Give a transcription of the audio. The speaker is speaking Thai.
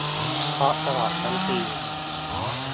เพราะตลอดทั้งปี